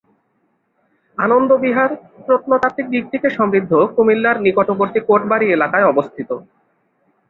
আনন্দবিহার প্রত্নতাত্ত্বিক দিক থেকে সমৃদ্ধ কুমিল্লার নিকটবর্তী কোটবাড়ি এলাকায় অবস্থিত।